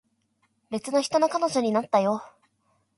別の人の彼女になったよ